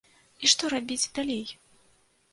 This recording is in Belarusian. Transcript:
І што рабіць далей?